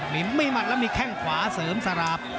มีไม่มัดแล้วมีแข้งขวาเสริมสราบ